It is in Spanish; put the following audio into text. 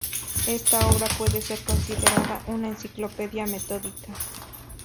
Esta obra puede ser considerada una "enciclopedia metódica".